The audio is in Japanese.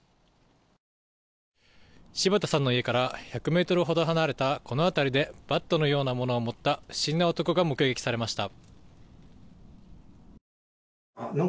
柴田さんの家から１００ｍほど離れたこの辺りでバットのようなものを持った不審な男が目撃されました。